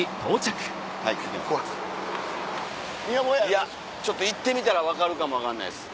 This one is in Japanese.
いやちょっと行ってみたら分かるかも分かんないです。